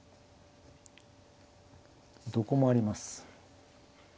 どこもあります。